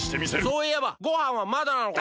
そういえばごはんはまだなのか？